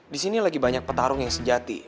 disini lagi banyak petarung yang sejati